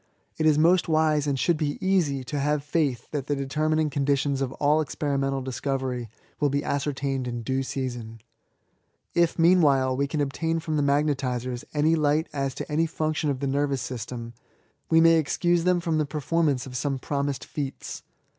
It is most wise, and should be easy, to have faith that the determining conditipns of all experimental disco very will be ascertained in due season. If, mean while, we can obtain from the magnetisers any light as to any function of the nervous system;^ we may excuse them from the performance of UFE TO THB INVALID. 85 jsome promised feats.